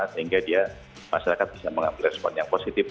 sehingga dia masyarakat bisa mengambil respon yang positif